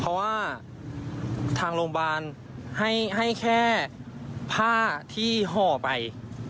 เพราะว่าทางโรงพยาบาลให้แค่ผ้าที่ห่อไป